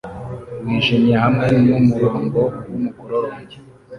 wijimye hamwe numurongo wumukororombya